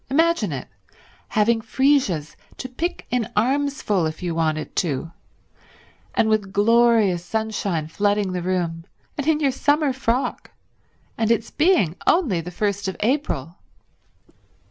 Imagine it— having freesias to pick in armsful if you wanted to, and with glorious sunshine flooding the room, and in your summer frock, and its being only the first of April!